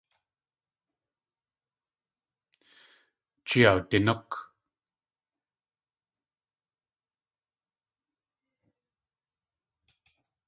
Jée awdinúk.